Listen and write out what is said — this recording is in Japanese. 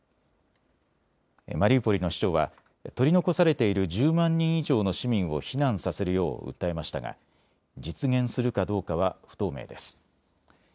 マリウポリの市長は取り残されている１０万人以上の市民を避難させるよう訴えましたが実現するかどうかは不透明です。